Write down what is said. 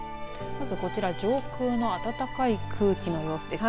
まず、こちら上空の暖かい空気の様子です。